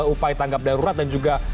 upaya tanggap darurat dan juga